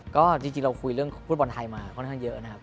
ก็จริงเราคุยเรื่องฟุตบอลไทยมาค่อนข้างเยอะนะครับ